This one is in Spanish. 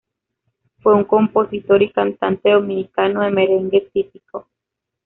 Fue un compositor y cantante dominicano de Merengue Típico.